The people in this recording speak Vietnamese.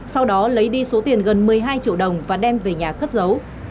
sau đó lấy đi số tiền gần một mươi hai triệu đồng và đem về nhà cất giấu